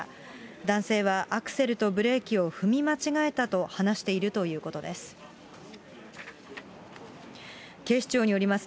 男性はアクセルとブレーキを踏み間違えたと話しているということです。